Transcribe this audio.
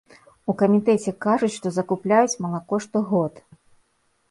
У камітэце кажуць, што закупляюць малако штогод.